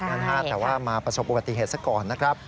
แต่ว่ามาประสบอุบัติเหตุซะก่อนนะครับ